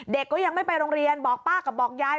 ก็ยังไม่ไปโรงเรียนบอกป้ากับบอกยาย